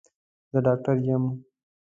زه ډاکټر یم